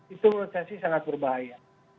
itu menurut saya sih sangat berbahaya